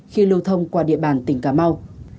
khi lưu thông qua địa bàn tỉnh cà mau